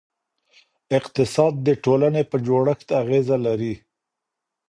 اقتصاد د ټولنې په جوړښت اغېزه لري.